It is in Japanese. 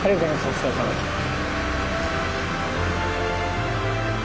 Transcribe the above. お疲れさまでした。